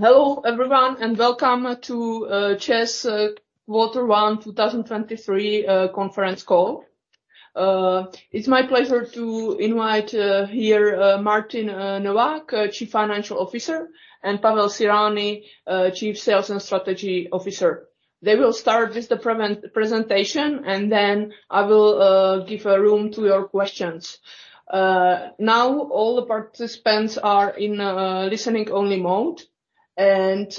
Hello, everyone, and welcome to ČEZ Quarter One 2023 conference call. It's my pleasure to invite here Martin Novák, Chief Financial Officer, and Pavel Cyrani, Chief Sales and Strategy Officer. They will start with the pre-presentation, then I will give a room to your questions. Now all the participants are in listening-only mode, and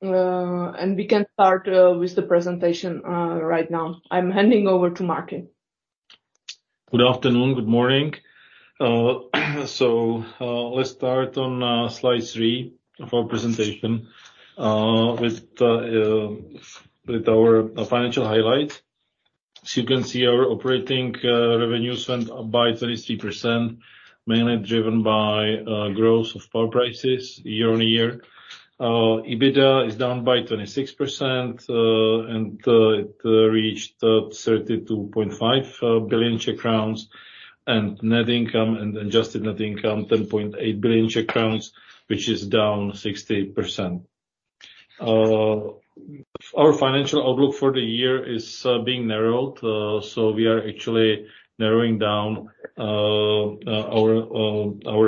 we can start with the presentation right now. I'm handing over to Martin. Good afternoon. Good morning. Let's start on slide three of our presentation with our financial highlights. You can see our operating revenues went up by 33%, mainly driven by growth of power prices year-over-year. EBITDA is down by 26%. It reached 32.5 billion, and net income and adjusted net income 10.8 billion, which is down 60%. Our financial outlook for the year is being narrowed. We are actually narrowing down our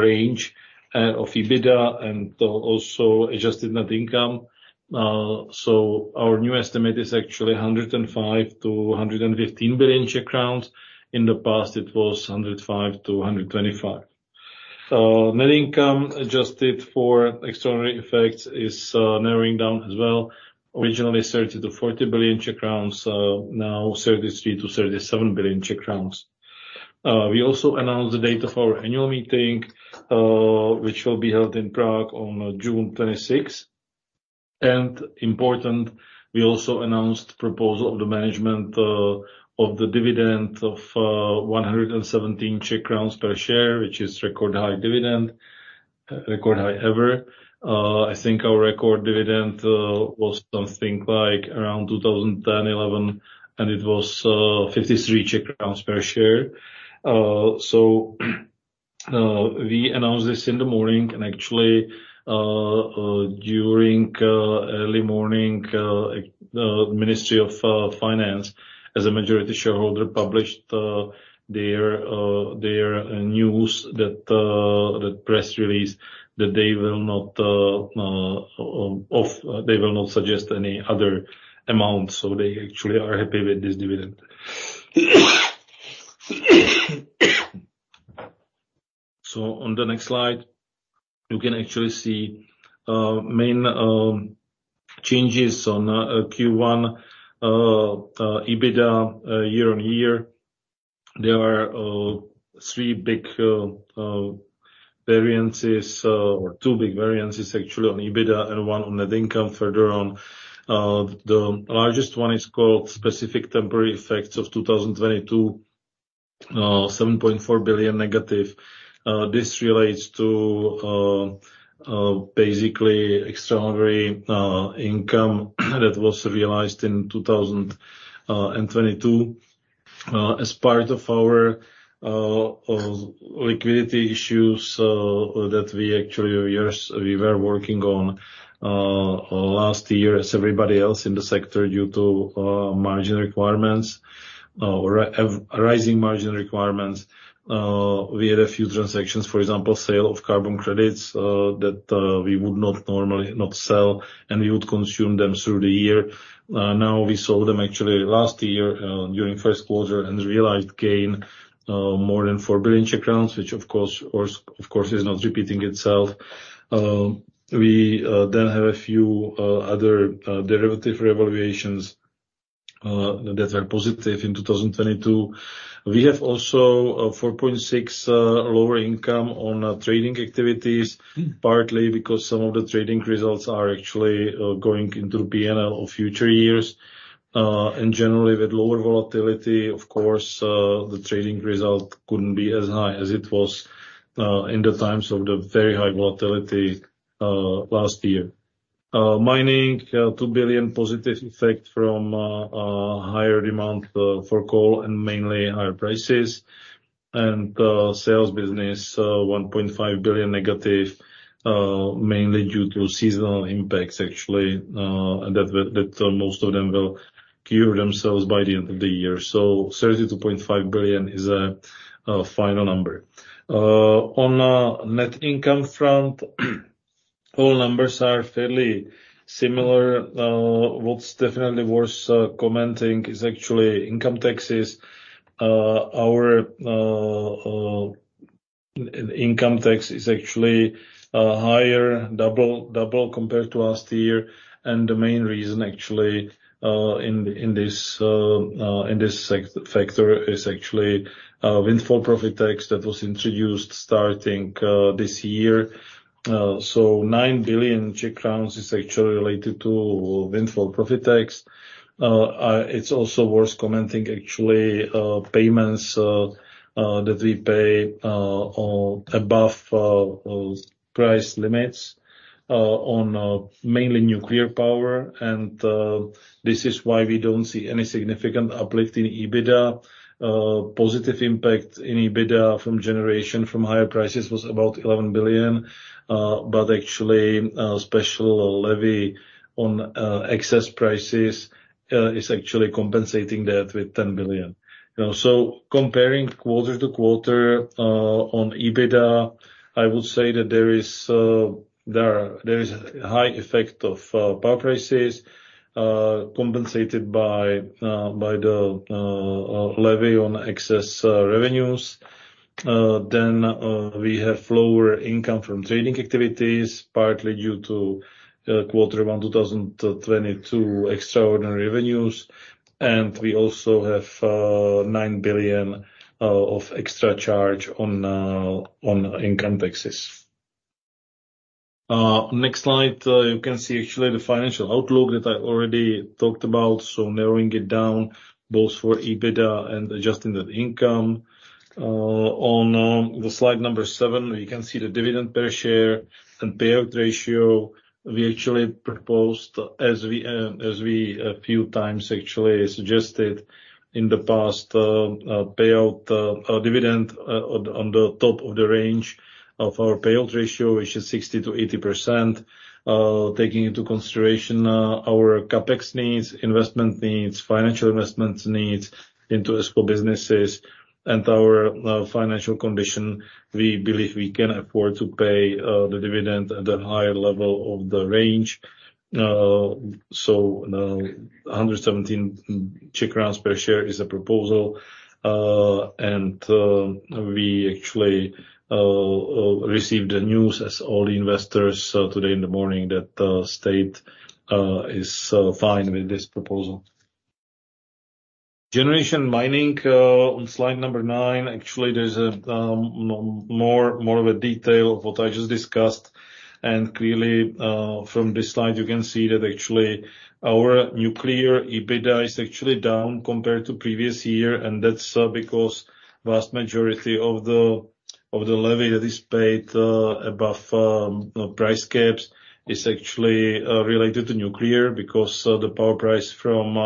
range of EBITDA and also adjusted net income. Our new estimate is actually 105 billion-115 billion Czech crowns. In the past, it was 105 billion-125 billion. Net income adjusted for extraordinary effects is narrowing down as well, originally 30 billion-40 billion Czech crowns, now 33 billion-37 billion Czech crowns. We also announced the date of our annual meeting, which will be held in Prague on June 26th. Important, we also announced proposal of the management of the dividend of 117 Czech crowns per share, which is record high dividend. Record high ever. I think our record dividend was something like around 2010, 2011, and it was 53 Czech crowns per share. We announced this in the morning, and actually, during early morning, Ministry of Finance, as a majority shareholder, published their news that the press release that they will not suggest any other amount, they actually are happy with this dividend. On the next slide, you can actually see main changes on Q1 EBITDA year-on-year. There are three big variances, or two big variances actually on EBITDA and one on net income further on. The largest one is called specific temporary effects of 2022, CZK 7.4 billion negative. traordinary income that was realized in 2022 as part of our liquidity issues that we actually were working on last year as everybody else in the sector due to margin requirements, raising margin requirements. We had a few transactions, for example, sale of carbon credits that we would not normally not sell, and we would consume them through the year. Now we sold them actually last year during first quarter and realized gain more than 4 billion Czech crowns, which of course, is not repeating itself. We then have a few other derivative revaluations that are positive in 2022 We have also 4.6 lower income on trading activities, partly because some of the trading results are actually going into P&L of future years. Generally with lower volatility, of course, the trading result couldn't be as high as it was in the times of the very high volatility last year. Mining, 2 billion positive effect from higher demand for coal and mainly higher prices. Sales business, 1.5 billion negative, mainly due to seasonal impacts actually, and most of them will cure themselves by the end of the year. 32.5 billion is a final number. On a net income front, all numbers are fairly similar. What's definitely worth commenting is actually income taxes. Our income tax is actually higher, double compared to last year. The main reason actually in this sector is actually windfall profit tax that was introduced starting this year. 9 billion Czech crowns is actually related to windfall profit tax. It's also worth commenting actually payments that we pay above price limits on mainly nuclear power. This is why we don't see any significant uplift in EBITDA. Positive impact in EBITDA from generation from higher prices was about 11 billion, but actually special levy on excess prices is actually compensating that with 10 billion. Comparing quarter-to-quarter on EBITDA, I would say that there is a high effect of power prices, compensated by the levy on excess revenues. Then, we have lower income from trading activities, partly due to quarter 1 2022 extraordinary revenues, and we also have 9 billion of extra charge on income taxes. Next slide, you can see actually the financial outlook that I already talked about, so narrowing it down both for EBITDA and adjusted net income. On slide number seven, you can see the dividend per share and payout ratio. We actually proposed as we a few times actually suggested in the past, payout dividend on the top of the range of our payout ratio, which is 60%-80%. Taking into consideration our CapEx needs, investment needs, financial investments needs into our school businesses and our financial condition, we believe we can afford to pay the dividend at a higher level of the range. 117 per share is a proposal. We actually received the news as all investors today in the morning that the state is fine with this proposal. Generation mining on slide number nine, actually there's a more of a detail of what I just discussed. Clearly, from this slide, you can see that actually our nuclear EBITDA is actually down compared to previous year, and that's because vast majority of the levy that is paid above price caps is actually related to nuclear. The power price from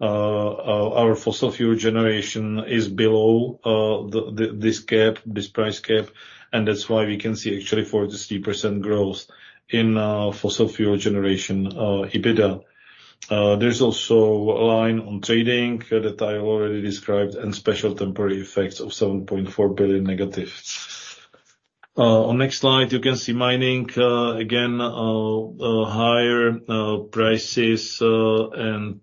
our fossil fuel generation is below this price cap, and that's why we can see actually 43% growth in fossil fuel generation EBITDA. There's also a line on trading that I already described and special temporary effects of 7.4 billion negative. On next slide, you can see mining. Again, higher prices, and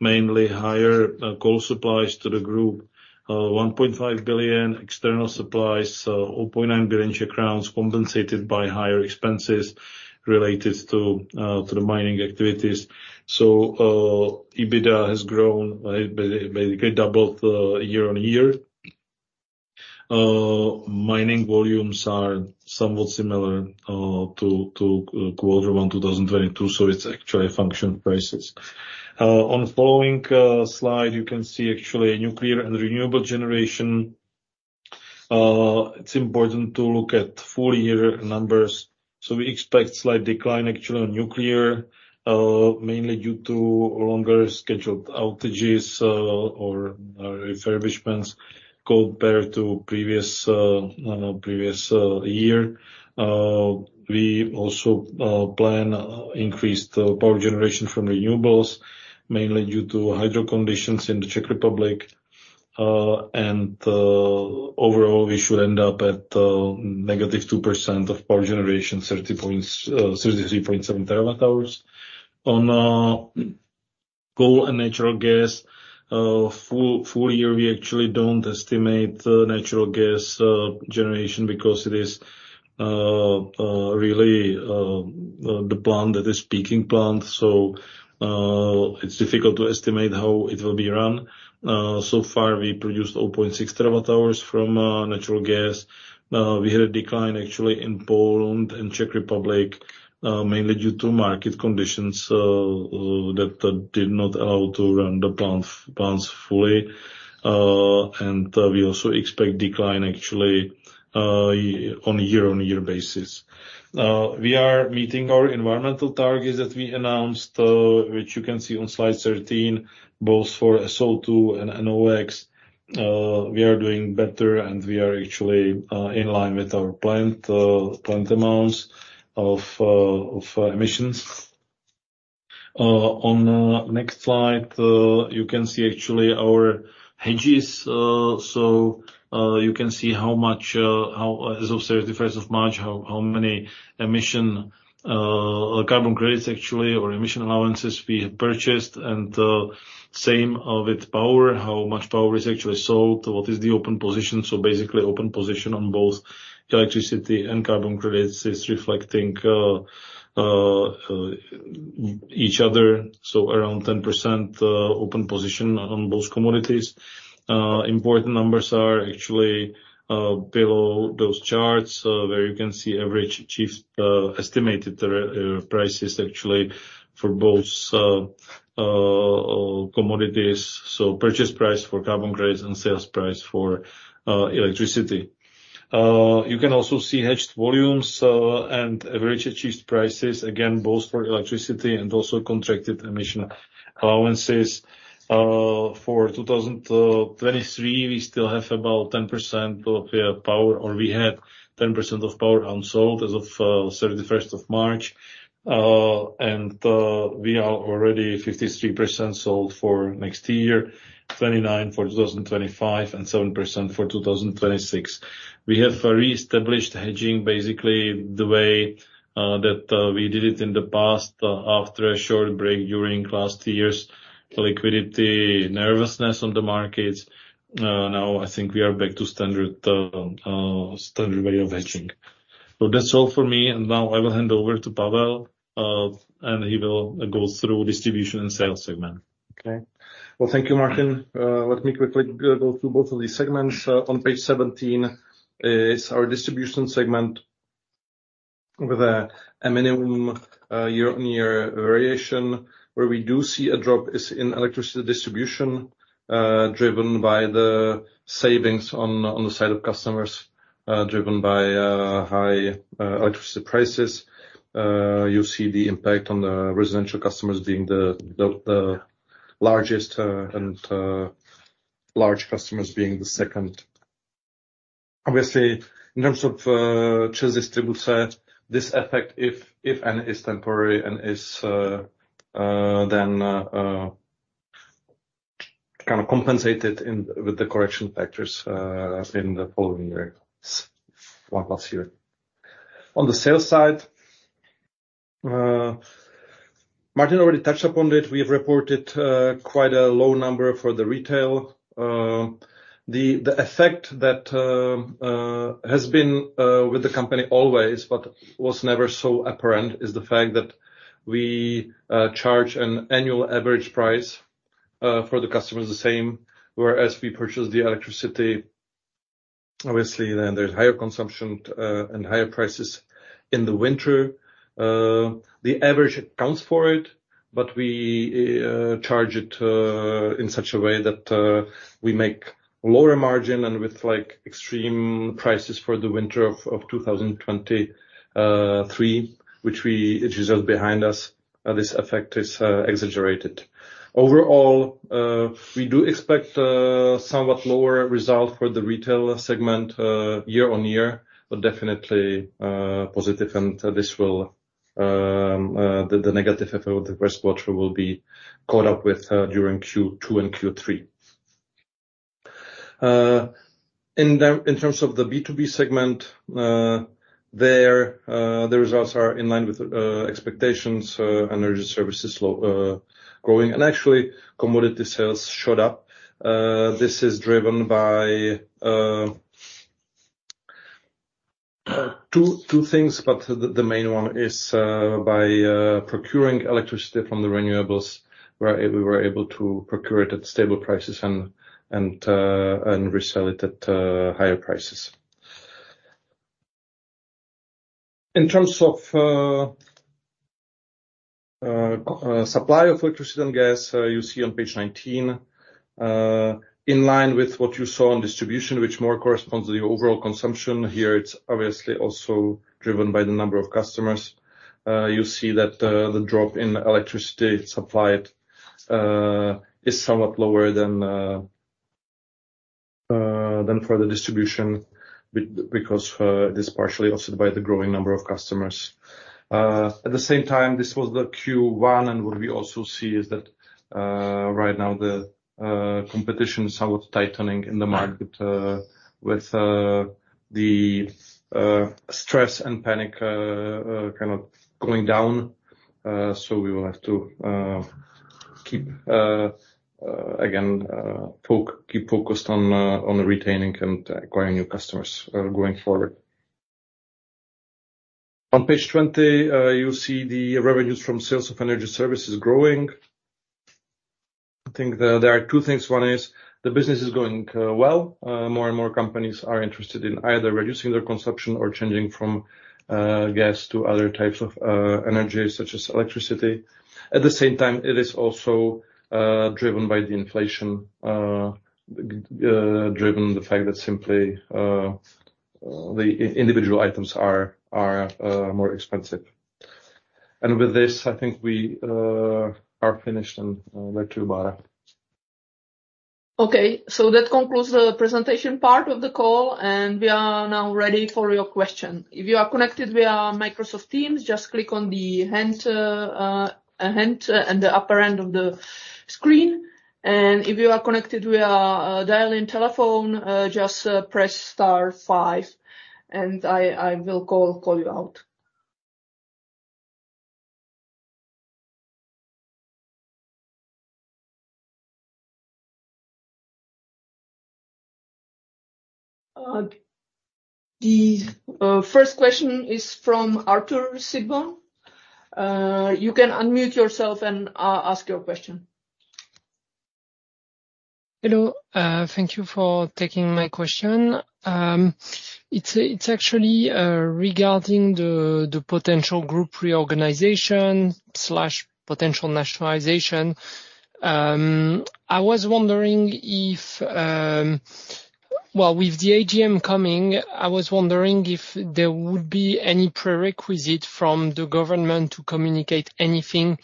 mainly higher coal supplies to the group. 1.5 billion external supplies. 1 billion compensated by higher expenses related to the mining activities. EBITDA has grown by basically doubled year-on-year. Mining volumes are somewhat similar to quarter one 2022, it's actually function prices. On following slide, you can see actually nuclear and renewable generation. It's important to look at full year numbers. We expect slight decline actually on nuclear, mainly due to longer scheduled outages or refurbishments compared to previous year. We also plan increased power generation from renewables, mainly due to hydro conditions in the Czech Republic. Overall, we should end up at -2% of power generation, 33.7 TWh. On coal and natural gas, full year, we actually don't estimate the natural gas generation because it is really the plant that is peaking plant. It's difficult to estimate how it will be run. So far we produced 0.6 TWh from natural gas. We had a decline actually in Poland and Czech Republic, mainly due to market conditions that did not allow to run the plants fully. We also expect decline actually on a year-on-year basis. We are meeting our environmental targets that we announced, which you can see on slide 13, both for SO2 and NOx. We are doing better, and we are actually in line with our planned amounts of emissions. On next slide, you can see actually our hedges. You can see how much as of 31st of March, how many emission carbon credits actually or emission allowances we had purchased, and same with power, how much power is actually sold, what is the open position. Basically, open position on both electricity and carbon credits is reflecting each other, so around 10% open position on both commodities. Important numbers are actually below those charts, where you can see average achieved estimated prices actually for both commodities. Purchase price for carbon credits and sales price for electricity. You can also see hedged volumes and average achieved prices, again, both for electricity and also contracted emission allowances. For 2023, we still have about 10% of the power, or we had 10% of power unsold as of 31st of March. We are already 53% sold for next year, 29% for 2025, and 7% for 2026. We have reestablished hedging basically the way that we did it in the past after a short break during last year's liquidity nervousness on the markets. Now I think we are back to standard standard way of hedging. That's all for me. Now I will hand over to Pavel and he will go through distribution and sales segment. Okay. Well, thank you, Martin. Let me quickly go through both of these segments. On page 17 is our distribution segment with a minimum year-on-year variation. Where we do see a drop is in electricity distribution, driven by the savings on the side of customers, driven by high electricity prices. You see the impact on the residential customers being the largest, and large customers being the second. Obviously, in terms of Czech distributor, this effect, if any, is temporary and is then kind of compensated with the correction factors in the following years. One last year. On the sales side, Martin already touched upon it. We have reported quite a low number for the retail. The effect that has been with the company always but was never so apparent is the fact that we charge an annual average price for the customers the same, whereas we purchase the electricity. There's higher consumption and higher prices in the winter. The average accounts for it, we charge it in such a way that we make lower margin and with, like, extreme prices for the winter of 2023, which is just behind us, this effect is exaggerated. We do expect a somewhat lower result for the retail segment year-on-year, definitely positive and this will the negative effect of the price watch will be caught up with during Q2 and Q3. In terms of the B2B segment, there the results are in line with expectations. Energy services slow growing. Actually commodity sales showed up. This is driven by two things, but the main one is by procuring electricity from the renewables, where we were able to procure it at stable prices and resell it at higher prices. In terms of supply of electricity and gas, you see on page 19, in line with what you saw on distribution, which more corresponds to the overall consumption. Here it's obviously also driven by the number of customers. icity supplied is somewhat lower than for the distribution because it is partially offset by the growing number of customers. At the same time, this was the Q1, and what we also see is that right now the competition is somewhat tightening in the market with the stress and panic kind of going down. So we will have to keep again keep focused on on retaining and acquiring new customers going forward. On page 20, you see the revenues from sales of energy services growing. I think there are two things. One is the business is going well More and more companies are interested in either reducing their consumption or changing from gas to other types of energy, such as electricity. At the same time, it is also driven by the inflation driven the fact that simply the individual items are more expensive. With this, I think we are finished and over to you, Bara. That concludes the presentation part of the call. We are now ready for your question. If you are connected via Microsoft Teams, just click on the hand at the upper end of the screen. If you are connected via a dial-in telephone, just press star five and I will call you out. The first question is from Arthur Sitbon. You can unmute yourself and ask your question. Hello. Thank you for taking my question. It's actually regarding the potential group reorganization/potential nationalization. I was wondering if, well, with the AGM coming, I was wondering if there would be any prerequisite from the government to communicate anything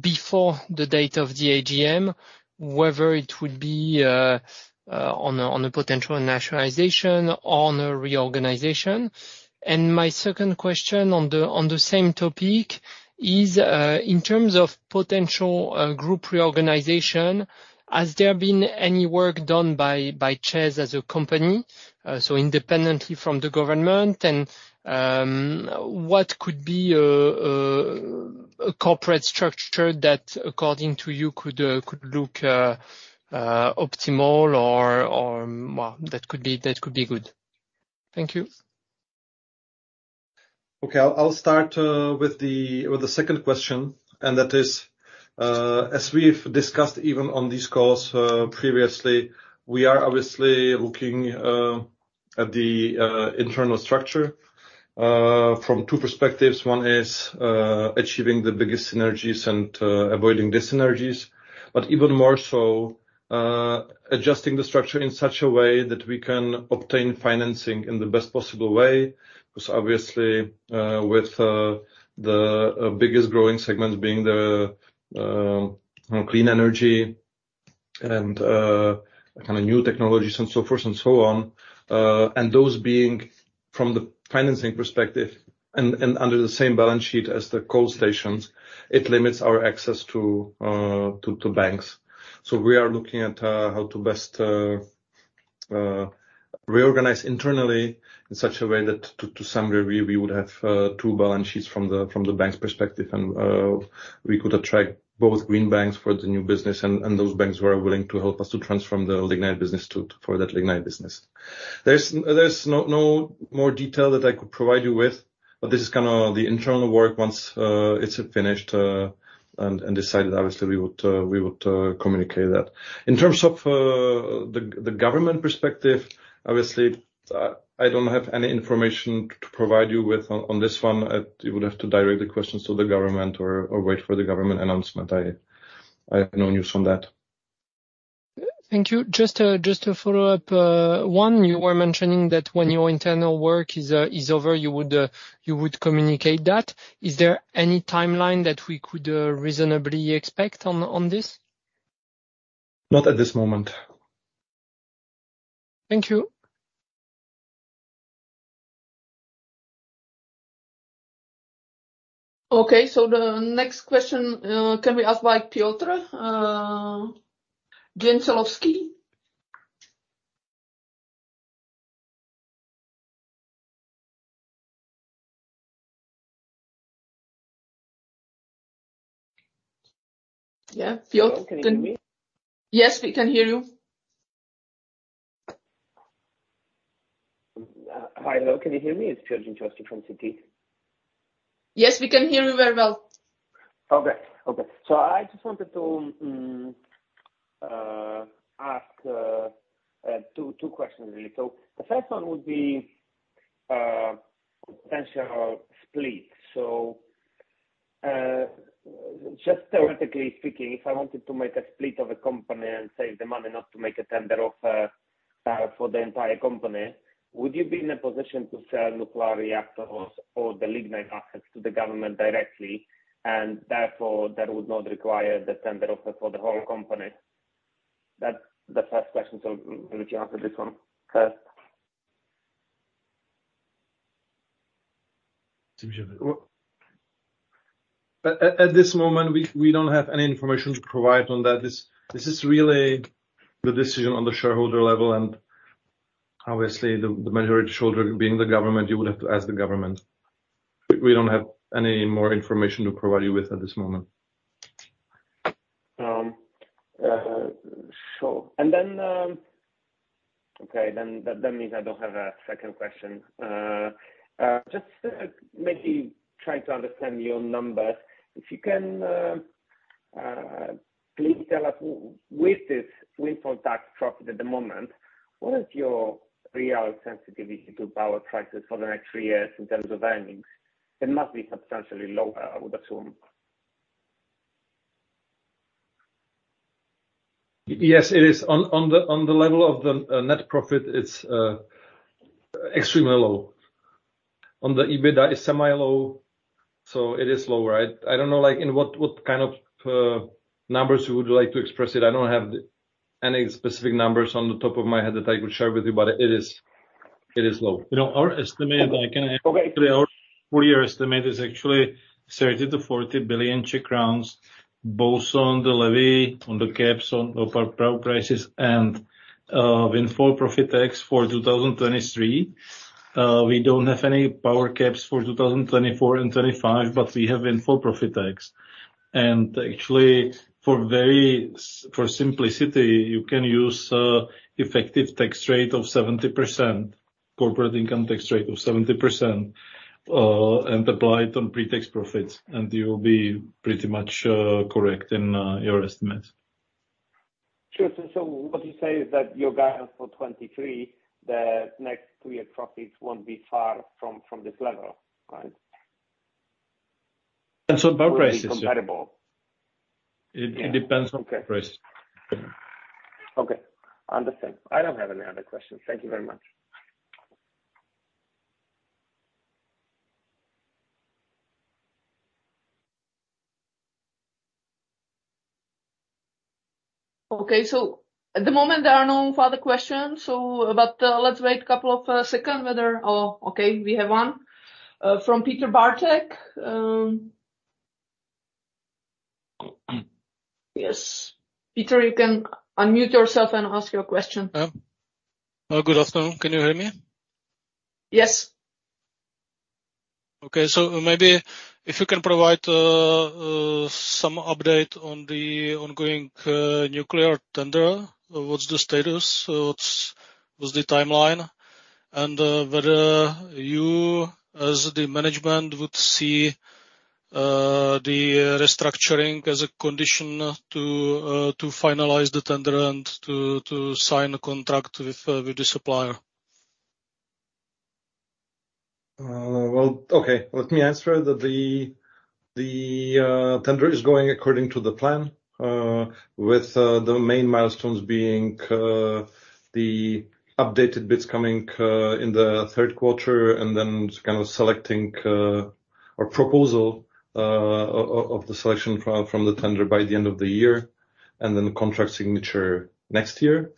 before the date of the AGM, whether it would be on a potential nationalization or on a reorganization. My second question on the same topic is in terms of potential group reorganization, has there been any work done by ČEZ as a company, so independently from the government? What could be a corporate structure that according to you could look optimal or, well, that could be good. Thank you. Okay. I'll start with the second question. That is, as we've discussed even on these calls previously, we are obviously looking at the internal structure from two perspectives. One is achieving the biggest synergies and avoiding dyssynergies. Even more so, adjusting the structure in such a way that we can obtain financing in the best possible way. 'Cause obviously, with the biggest growing segments being the clean energy and kinda new technologies and so forth and so on, and those being from the financing perspective and under the same balance sheet as the coal stations, it limits our access to banks. We are looking at how to best reorganize internally in such a way that to some degree we would have two balance sheets from the bank's perspective and we could attract both green banks for the new business and those banks who are willing to help us to transform the lignite business for that lignite business. There's no more detail that I could provide you with, but this is kinda the internal work. Once it's finished and decided, obviously we would communicate that. In terms of the government perspective, obviously, I don't have any information to provide you with on this one. You would have to direct the questions to the government or wait for the government announcement. I have no news on that. Thank you. Just to follow up, one, you were mentioning that when your internal work is over, you would communicate that. Is there any timeline that we could reasonably expect on this? Not at this moment. Thank you. Okay. The next question can be asked by Piotr Dzięciołowski. Yeah. Can you hear me? Yes, we can hear you. Hi. Hello, can you hear me? It's Piotr Dzięciołowski from Citi. Yes, we can hear you very well. Okay. Okay. I just wanted to ask two questions really. The first one would be potential split. Just theoretically speaking, if I wanted to make a split of a company and save the money not to make a tender offer for the entire company, would you be in a position to sell nuclear reactors or the lignite assets to the government directly, and therefore that would not require the tender offer for the whole company? That's the first question, so if you answer this one first. At this moment, we don't have any information to provide on that. This is really the decision on the shareholder level. Obviously the majority shareholder being the government, you would have to ask the government. We don't have any more information to provide you with at this moment. Sure. Okay, that means I don't have a second question. Just maybe trying to understand your numbers. If you can, please tell us with this windfall tax profit at the moment, what is your real sensitivity to power prices for the next three years in terms of earnings? It must be substantially lower, I would assume. Yes, it is. On the level of the net profit, it's extremely low. On the EBITDA, it's semi-low. It is lower. I don't know, like in what kind of numbers you would like to express it. I don't have any specific numbers on the top of my head that I could share with you, but it is low. You know, our estimate. Okay. Our full year estimate is actually 30 billion-40 billion Czech crowns, both on the levy, on the caps on power prices and windfall profit tax for 2023. We don't have any power caps for 2024 and 2025, but we have windfall profit tax. Actually, for simplicity, you can use effective tax rate of 70%, corporate income tax rate of 70%, and apply it on pre-tax profits, and you'll be pretty much correct in your estimate. Sure. What you say is that your guidance for 2023, the next three-year profits won't be far from this level, right? Depends on power prices. Comparable. It depends on power prices. Okay. Understand. I don't have any other questions. Thank you very much. Okay. At the moment there are no further questions, so but let's wait a couple of second whether. Okay, we have one from Petr Bártek. Yes. Peter, you can unmute yourself and ask your question. good afternoon. Can you hear me? Yes. Okay. Maybe if you can provide some update on the ongoing nuclear tender. What's the status? What's the timeline? Whether you, as the management, would see the restructuring as a condition to finalize the tender and to sign a contract with the supplier. Well, okay. Let me answer. The tender is going according to the plan. With the main milestones being the updated bids coming in the third quarter, and then kind of selecting or proposal of the selection from the tender by the end of the year, and then contract signature next year.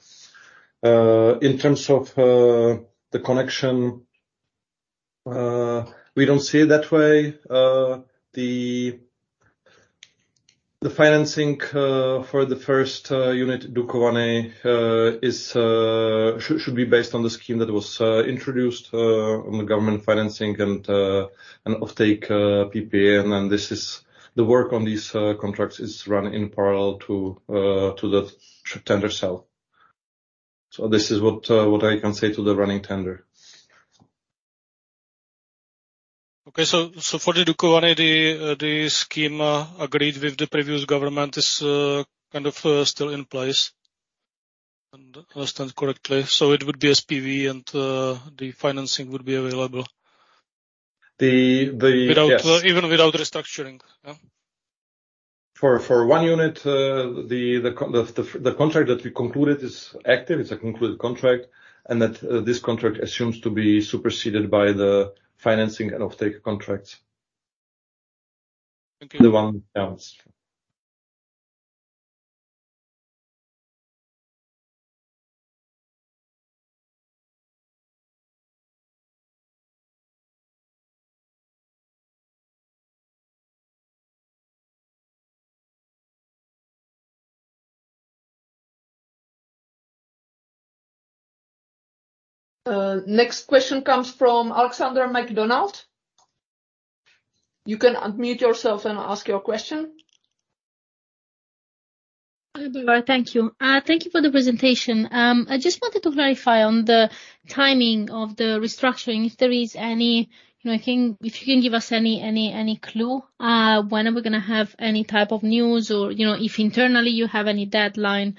In terms of the connection, we don't see it that way. The financing for the first unit, Dukovany, should be based on the scheme that was introduced on the government financing and offtake PPA. The work on these contracts is run in parallel to the tender cell. This is what I can say to the running tender. Okay. For the Dukovany, the scheme agreed with the previous government is kind of still in place. I understand correctly? It would be SPV and the financing would be available. The, the- Without- Yes. Even without restructuring. Yeah. For 1 unit, the contract that we concluded is active, it's a concluded contract, and that this contract assumes to be superseded by the financing and offtake contracts. Thank you. The one, yes. Next question comes from Alexandra McDonald. You can unmute yourself and ask your question. Hi. Thank you. Thank you for the presentation. I just wanted to verify on the timing of the restructuring, if there is any, you know, clue, when are we gonna have any type of news or, you know, if internally you have any deadline.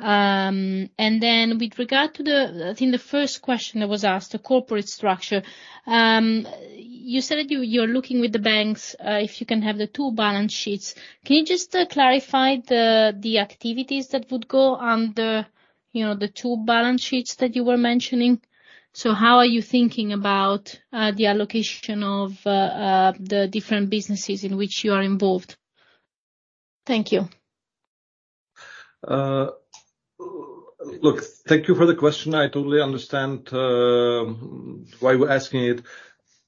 With regard to the first question that was asked, the corporate structure. You said you're looking with the banks, if you can have the two balance sheets. Can you just clarify the activities that would go under, you know, the two balance sheets that you were mentioning? How are you thinking about the allocation of the different businesses in which you are involved? Thank you. Look, thank you for the question. I totally understand why you're asking it.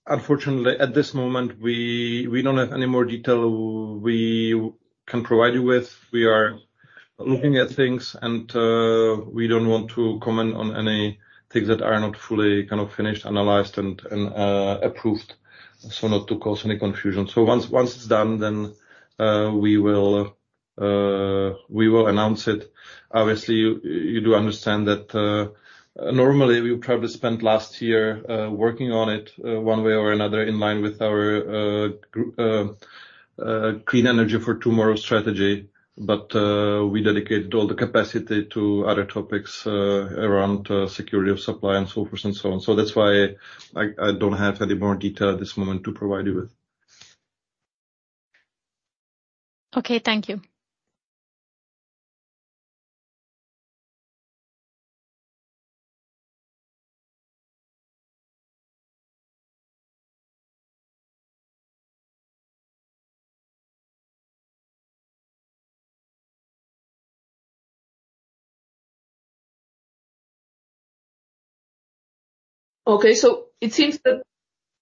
Unfortunately, at this moment, we don't have any more detail we can provide you with. We are looking at things and we don't want to comment on any things that are not fully kind of finished, analyzed and approved, so not to cause any confusion. Once it's done, we will announce it. Obviously, you do understand that normally we probably spent last year working on it one way or another in line with our Clean Energy of Tomorrow strategy. We dedicated all the capacity to other topics around security of supply and so forth and so on. That's why I don't have any more detail at this moment to provide you with. Okay, thank you. Okay. It seems that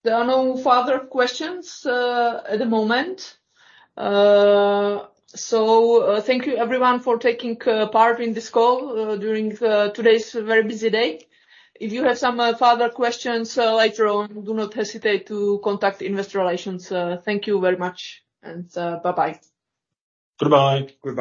there are no further questions at the moment. Thank you everyone for taking part in this call during today's very busy day. If you have some further questions later on, do not hesitate to contact Investor Relations. Thank you very much and bye-bye. Goodbye. Goodbye.